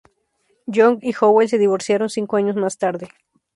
Young y Howell se divorciaron cinco años más tarde.